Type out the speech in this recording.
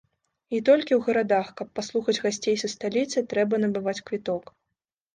І толькі у гарадах, каб паслухаць гасцей са сталіцы, трэба набываць квіток.